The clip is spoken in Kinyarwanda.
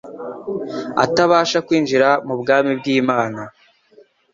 atabasha kwinjira mu bwami bw’Imana